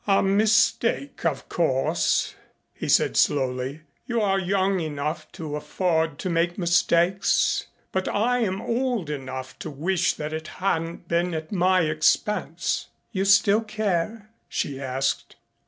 "A mistake of course," he said slowly. "You are young enough to afford to make mistakes. But I am old enough to wish that it hadn't been made at my expense." "You still care?" she asked.